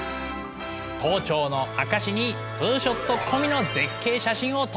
登頂の証しにツーショット込みの絶景写真を撮るぞ！